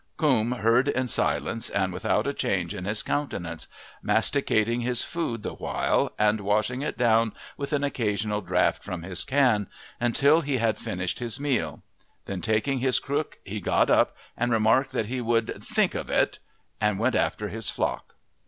Coombe heard in silence and without a change in his countenance, masticating his food the while and washing it down with an occasional draught from his can, until he had finished his meal; then taking his crook he got up, and remarking that he would "think of it" went after his flock.